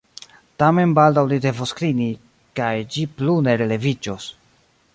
Tamen baldaŭ li devos klini, kaj ĝi plu ne releviĝos.